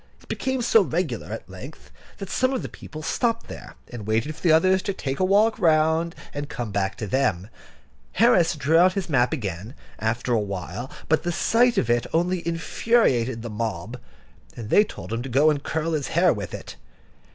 It became so regular at length, that some of the people stopped there, and waited for the others to take a walk round, and come back to them. Harris drew out his map again, after a while, but the sight of it only infuriated the mob, and they told him to go and curl his hair with it.